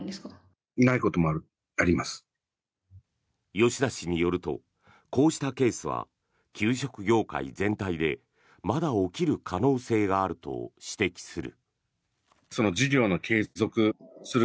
吉田氏によるとこうしたケースは給食業界全体でまだ起きる可能性があると指摘する。